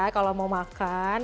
kalau mau makan